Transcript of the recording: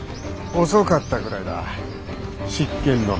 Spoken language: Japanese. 遅かったぐらいだ執権殿。